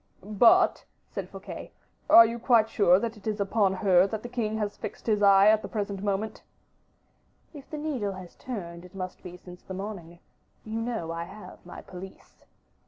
"But," said Fouquet, "are you quite sure that it is upon her that the king has his eyes fixed at the present moment?" "If the needle has turned, it must be since the morning. You know I have my police."